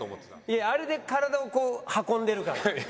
いやあれで体をこう運んでるから。